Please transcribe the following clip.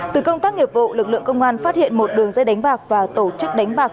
từ công tác nghiệp vụ lực lượng công an phát hiện một đường dây đánh bạc và tổ chức đánh bạc